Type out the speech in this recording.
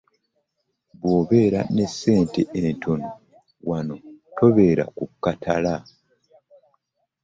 Bwobeera n'essente entono wano tobeera ku katala .